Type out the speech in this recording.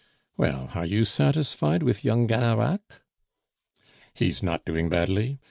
"Well, are you satisfied with young Gannerac?" "He is not doing badly.